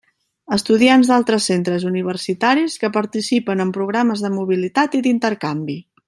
Estudiants d'altres centres universitaris que participen en programes de mobilitat i d'intercanvi.